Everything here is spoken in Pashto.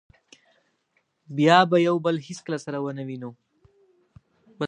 بیا به یو بل هېڅکله سره و نه وینو.